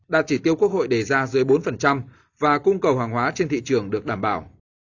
đạt chỉ tiêu quốc hội đề ra dưới bốn và cung cầu hàng hóa trên thị trường được đảm bảo